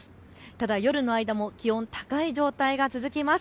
ただ夜の間も気温、高い状態続きます。